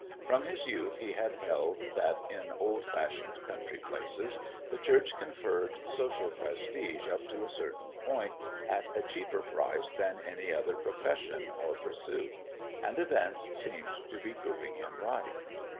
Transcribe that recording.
From his youth he had held that, in old fashioned country places, the Church conferred social prestige up to a certain point at a cheaper price than any other profession or pursuit; and events seemed to be proving him right.